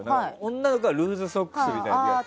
女の子はルーズソックスみたいな。